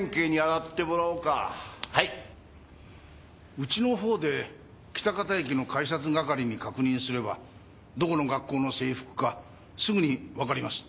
うちのほうで喜多方駅の改札係に確認すればどこの学校の制服かすぐにわかります。